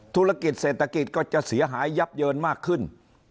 ธุรกิจเศรษฐกิจก็จะเสียหายยับเยินมากขึ้น